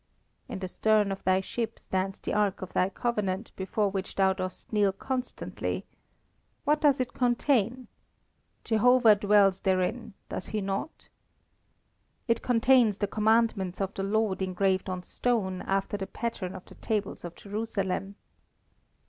"In the stern of thy ship stands the Ark of thy Covenant before which thou dost kneel constantly. What does it contain? Jehovah dwells therein, does He not?" "It contains the Commandments of the Lord engraved on stone, after the pattern of the tables of Jerusalem."